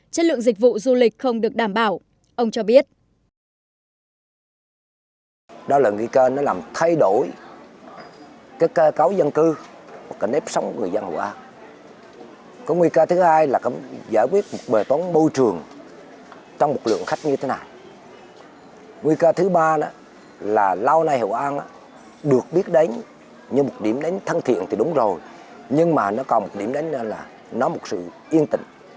chất lượng dịch vụ du lịch không được đảm bảo ông cho biết